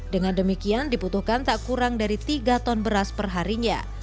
dengan demikian diputuhkan tak kurang dari tiga ton beras perharinya